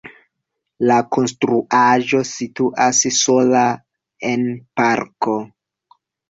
La konstruaĵo situas sola en parko.